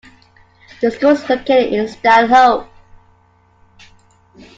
The school is located in Stanhope.